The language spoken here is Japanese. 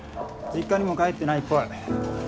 実家にも帰ってないっぽい。